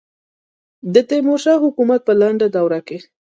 د تیمور شاه حکومت په لنډه دوره کې.